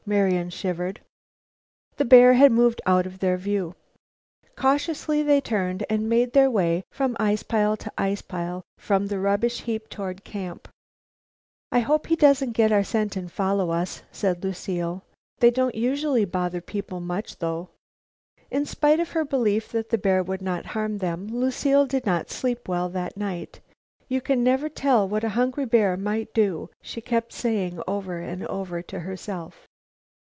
Marian shivered. The bear had moved out of their view. Cautiously, they turned and made their way from ice pile to ice pile, from the rubbish heap toward camp. "I hope he doesn't get our scent and follow us," said Lucile. "They don't usually bother people much, though." In spite of her belief that the bear would not harm them, Lucile did not sleep well that night. "You can never tell what a hungry bear might do," she kept saying over and over to herself.